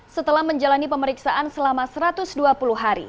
setelah menjalani pemeriksaan selama satu ratus dua puluh hari